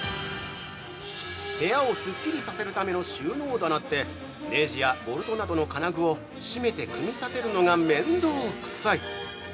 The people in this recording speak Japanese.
部屋をすっきりさせるための収納棚ってネジやボルトなどの金具を締めて組み立てるのが面倒くさい。